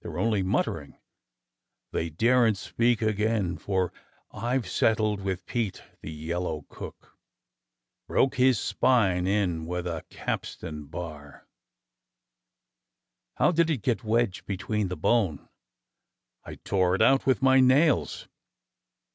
They're only muttering, they daren't speak again, for I've settled with Pete, the yellow cook — broke his spine in with a capstan bar. How it did get wedged between the bone. I tore it out with my nails.